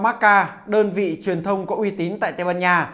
macca đơn vị truyền thông có uy tín tại tây ban nha